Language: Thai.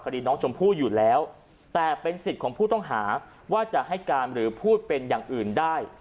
คดีน้องชมพู่อยู่แล้วแต่เป็นสิทธิ์ของผู้ต้องหาว่าจะให้การหรือพูดเป็นอย่างอื่นได้